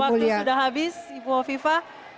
waktu sudah habis ibu hovifa